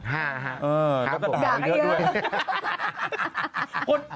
ห้าห้าด่าเขาเยอะด้วย